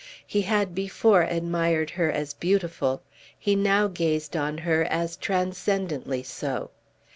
He had before admired her as beautiful, he now gazed on her as transcendently so.